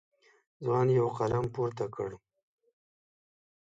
ځوان یو قلم پورته کړ.